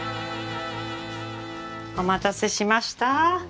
お待たせしました。